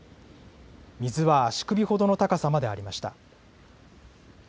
水は足首ほどの高さまでありました。